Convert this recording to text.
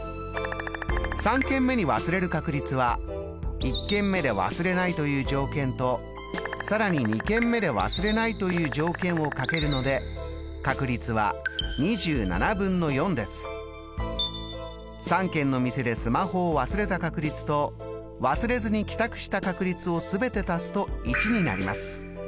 ３軒目に忘れる確率は１軒目で忘れないという条件と更に２軒目で忘れないという条件をかけるので確率は３軒の店でスマホを忘れた確率と忘れずに帰宅した確率を全て足すと１になります。